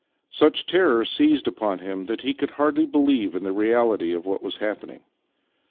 Such terror seized upon him that he could hardly believe in the reality of what was happening.